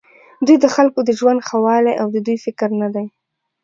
دوی د خلکو د ژوند ښهوالی د دوی فکر نه دی.